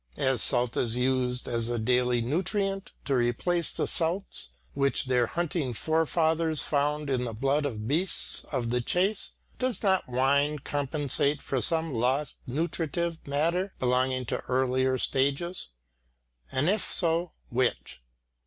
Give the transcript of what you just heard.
As salt is used as a daily nutrient to replace the salts which their hunting forefathers found in the blood of beasts of the chase, does not wine compensate for some lost nutritive matter belonging to earlier stages, and, if so, which?